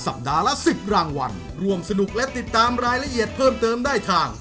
ปัดละ๑๐รางวัลร่วมสนุกและติดตามรายละเอียดเพิ่มเติมได้ทาง